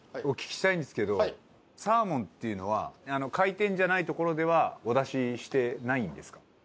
お聞きしたいんですけどサーモンっていうのは回転じゃない所ではお出ししてないんですか？